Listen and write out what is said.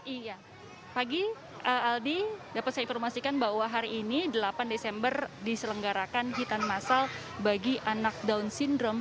iya pagi aldi dapat saya informasikan bahwa hari ini delapan desember diselenggarakan hitan masal bagi anak down syndrome